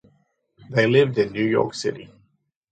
They lived in New York City.